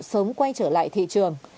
sớm quay trở lại thị trường